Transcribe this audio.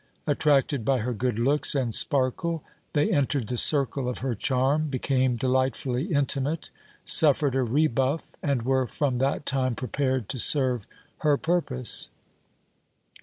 Attracted by her good looks and sparkle, they entered the circle of her charm, became delightfully intimate, suffered a rebuff, and were from that time prepared to serve her purpose.